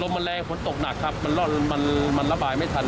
ลมมันแรงฝนตกหนักครับมันรอดมันมันระบายไม่ทัน